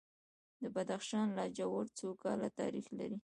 د بدخشان لاجورد څو کاله تاریخ لري؟